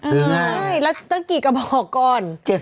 ใช่แล้วตั้งกี่กระบอกก่อน